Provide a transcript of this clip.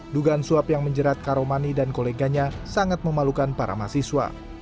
dugaan suap yang menjerat karomani dan koleganya sangat memalukan para mahasiswa